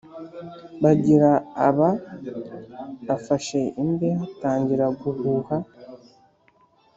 bagira aba afashe imbehe atangira guhuha.